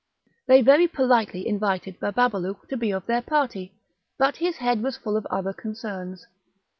They very politely invited Bababalouk to be of their party, but his head was full of other concerns.